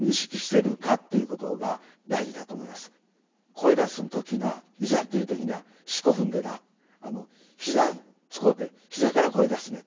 「声出す時ないざという時には四股踏んでなひざ使うてひざから声出すねん」